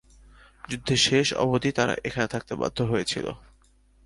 যুদ্ধের শেষ অবধি তারা এখানে থাকতে বাধ্য হয়েছিল।